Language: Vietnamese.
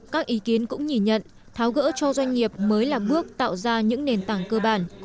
các ý kiến cũng nhìn nhận tháo gỡ cho doanh nghiệp mới là bước tạo ra những nền tảng cơ bản